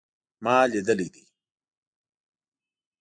ما لیدلی دی